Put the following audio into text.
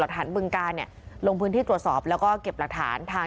ฐานบึงการเนี่ยลงพื้นที่ตรวจสอบแล้วก็เก็บหลักฐานทาง